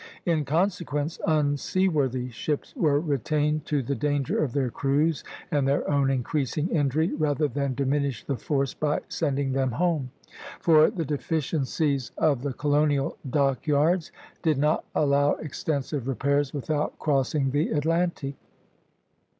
In consequence, unseaworthy ships were retained, to the danger of their crews and their own increasing injury, rather than diminish the force by sending them home; for the deficiencies of the colonial dock yards did not allow extensive repairs without crossing the Atlantic.